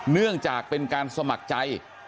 เนื่องจากเป็นการสมัครใจ